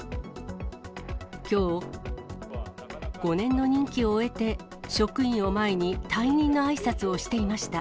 きょう、５年の任期を終えて、職員を前に退任のあいさつをしていました。